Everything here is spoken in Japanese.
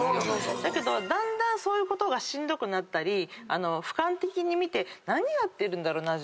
だけどだんだんそういうことがしんどくなったりふかん的に見て何やってるんだろうな？